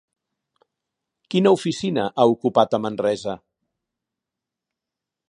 Quina oficina ha ocupat a Manresa?